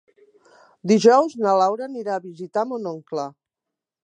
Dijous na Laura anirà a visitar mon oncle.